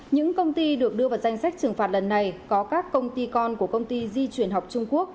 những công ty được đưa vào danh sách trừng phạt lần này có các công ty con của công ty di chuyển học trung quốc